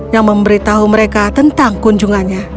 yang memberi tahu mereka tentang kunjungannya